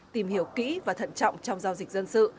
tìm hiểu kỹ và thận trọng trong giao dịch dân sự